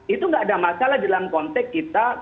itu nggak ada masalah dalam konteks kita